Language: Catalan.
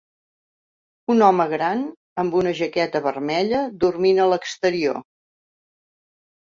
Un home gran amb una jaqueta vermella dormint a l'exterior.